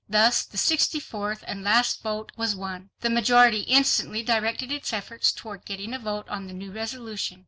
Thus the sixty fourth and last vote was won. The majority instantly directed its efforts toward getting a vote on the new resolution.